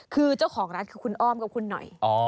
คือเจ้าของร้านคือคุณอ้อมกับคุณหน่อย